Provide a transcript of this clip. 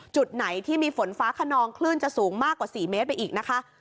จุดไหนที่มีฝนฟ้าขนองคลื่นจะสูงมากกว่า๔เมตรไปอีกนะคะ